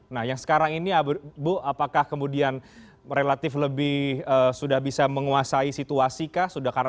nah yang sekarang ini abu apakah kemudian relatif lebih sudah bisa menguasai situasikah sudah karena